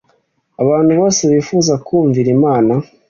abantu bose bifuza kumvira imana